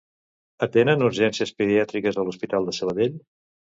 Atenen urgències pediàtriques a l'hospital de Sabadell?